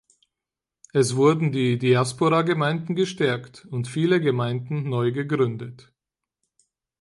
Es wurden die Diasporagemeinden gestärkt und viele Gemeinden neu gegründet.